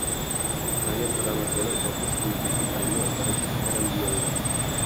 Karya pertama Keller fokus di titik temu antara fisika dan biologi.